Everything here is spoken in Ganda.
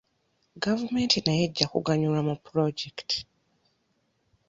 Gavumenti nayo ejja kuganyulwa mu pulojekiti.